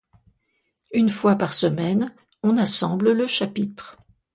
Une fois par semaine, on assemble le chapitre.